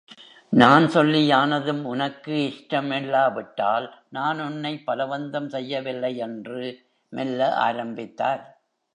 நான் சொல்லியானதும், உனக்கு இஷ்டமில்லாவிட்டால், நான் உன்னைப் பலவந்தம் செய்யவில்லை என்று மெல்ல ஆரம்பித்தார்.